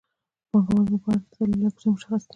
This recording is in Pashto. د پانګوال لپاره د تولید لګښتونه مشخص دي